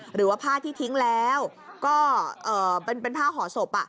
หรือว่าผ้าที่ทิ้งแล้วก็เป็นผ้าห่อศพ